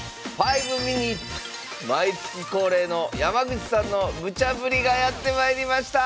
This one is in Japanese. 毎月恒例の山口さんのムチャぶりがやってまいりました！